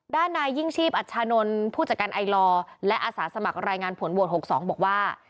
ด้านนายยิ่งชีพอัชชานนท์ผู้จัดการไอลอร์และอาสาสมัครรายงานผลโหวต๖๒บอกว่า